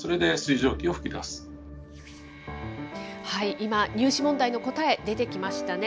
今、入試問題の答え、出てきましたね。